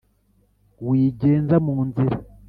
wigenza mu nzira